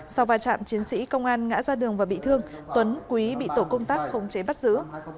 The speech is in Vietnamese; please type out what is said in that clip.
sau vài trạm chiến sĩ công an ngã ra đường và bị thương tuấn quý bị tổ công tác không chế bắt giữ